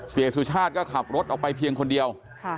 สุชาติก็ขับรถออกไปเพียงคนเดียว